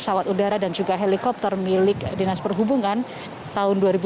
sedangkan untuk helikopter yang digunakan oleh ketua kpk firly bahuri